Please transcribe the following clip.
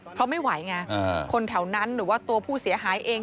เพราะไม่ไหวไงคนแถวนั้นหรือว่าตัวผู้เสียหายเอง